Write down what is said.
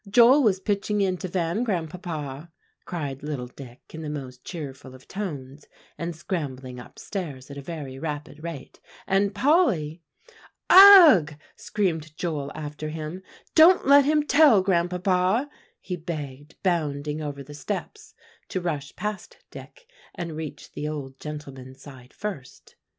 "Joel was pitching into Van, Grandpapa," cried little Dick in the most cheerful of tones, and scrambling up stairs at a very rapid rate, "and Polly" "Ugh!" screamed Joel after him, "don't let him tell, Grandpapa," he begged, bounding over the steps to rush past Dick and reach the old gentleman's side first.